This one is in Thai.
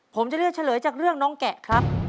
ผมจะเลือกเฉลยจากเรื่องน้องแกะครับ